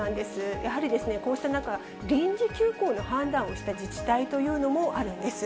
やはりこうした中、臨時休校の判断をした自治体というのもあるんです。